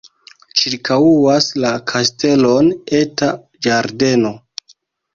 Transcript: Ĉirkaŭas la kastelon eta ĝardeno.